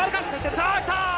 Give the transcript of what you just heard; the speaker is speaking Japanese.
さぁ、来た！